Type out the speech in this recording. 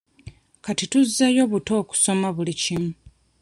Kati tuzzeeyo buto okusoma buli kimu.